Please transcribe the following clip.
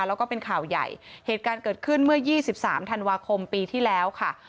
แล้วก็เป็นข่าวใหญ่เหตุการณ์เกิดขึ้นเมื่อ๒๓ธันวาคมปีที่แล้วค่ะ